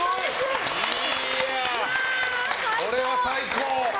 これは最高。